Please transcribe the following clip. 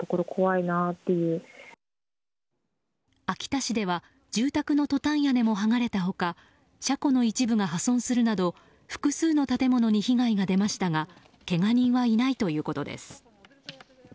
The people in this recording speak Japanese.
秋足では住宅のトタン屋根も剥がれた他車庫の一部が破損するなど複数の建物に被害が出ましたがけが人はいないということです。